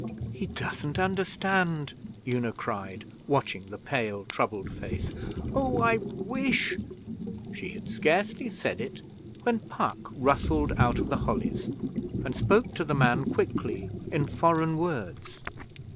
'He doesn't understand,' Una cried, watching the pale, troubled face. 'Oh, I wish ' She had scarcely said it when Puck rustled out of the hollies and spoke to the man quickly in foreign words.